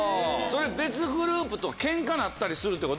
別グループとケンカになったりするってこと？